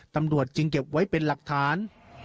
ตำรวจจึงเก็บไว้เป็นหลักฐาน